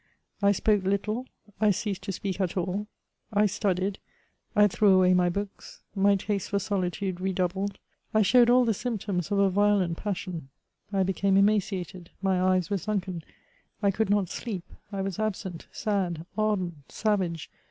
I spoke little, I ceased to speak at all ; I studied — I threw away my hooks ; my taste for solitude redoubled. I showed all the symptoms of a violent passion ; I became emaciated ; my eyes were sunken ; I could not sleep ; I was absent, sad, ardent, savage.